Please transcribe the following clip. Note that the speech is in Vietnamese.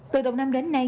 từ đồng năm đến nay